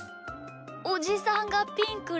おじさんがピンクだと。